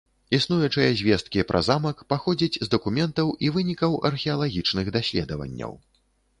Існуючыя звесткі пра замак паходзяць з дакументаў і вынікаў археалагічных даследаванняў.